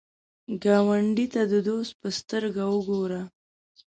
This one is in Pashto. ګاونډي ته د دوست په سترګه وګوره